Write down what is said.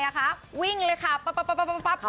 เฮ้ยนะครับวิ่งเลยครับปั๊บค่ะ